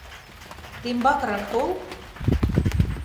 Тембакырак тол!